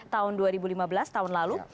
tahun dua ribu lima belas tahun lalu